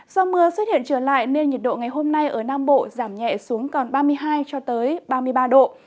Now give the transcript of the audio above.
do mưa xuất hiện trở lại nên nhiệt độ ngày hôm nay ở nam bộ giảm nhẹ xuống còn ba mươi hai ba mươi ba độ